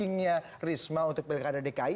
racingnya risma untuk pilih keadaan dki